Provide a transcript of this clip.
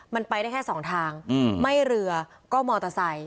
มันไปได้แค่สองทางไม่เรือก็มอเตอร์ไซค